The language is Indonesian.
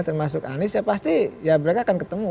termasuk anies ya pasti ya mereka akan ketemu